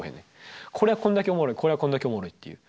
これはこんだけおもろいこれはこんだけおもろいっていう。